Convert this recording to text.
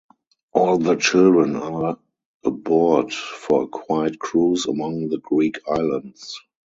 All the children are aboard for a quiet cruise among the Greek islands.